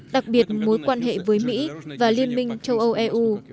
đặc biệt mối quan hệ với mỹ và liên minh châu âu eu